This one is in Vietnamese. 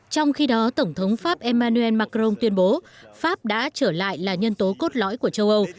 trong khi đó tổng thống pháp emmanuel macron tuyên bố pháp đã trở lại là nhân tố cốt lõi của châu âu